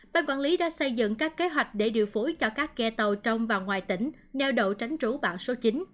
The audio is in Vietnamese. ban quản lý đã xây dựng các kế hoạch để điều phối cho các ghe tàu trong và ngoài tỉnh neo đậu tránh trú bão số chín